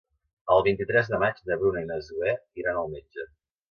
El vint-i-tres de maig na Bruna i na Zoè iran al metge.